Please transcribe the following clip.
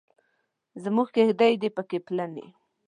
زموږ کیږدۍ دې پکې پلنې.